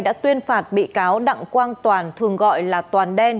đã tuyên phạt bị cáo đặng quang toàn thường gọi là toàn đen